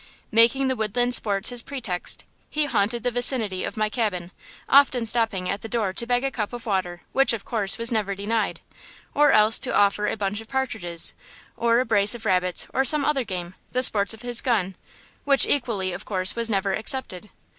Making the woodland sports his pretext, he haunted the vicinity of my cabin, often stopping at the door to beg a cup of water, which, of course, was never denied, or else to offer a bunch of partridges or a brace of rabbits or some other game, the sports of his gun, which equally, of course, was never accepted.